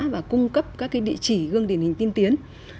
và cung cấp các địa chỉ gương điển hình tiên tiến